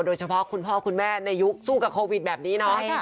โดยเฉพาะคุณพ่อคุณแม่ในยุคสู้กับโควิดแบบนี้เนาะ